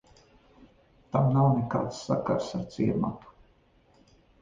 Tam nav nekāds sakars ar ciematu.